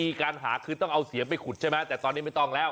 มีการหาคือต้องเอาเสียงไปขุดใช่ไหมแต่ตอนนี้ไม่ต้องแล้ว